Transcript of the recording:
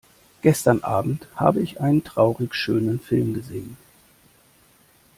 Gestern Abend habe ich einen traurigschönen Film gesehen.